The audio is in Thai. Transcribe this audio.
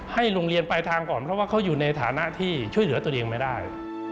ให้โรงเรียนปลายทางก่อนเพราะว่าเขาอยู่ในฐานะที่ช่วยเหลือตัวเองไม่ได้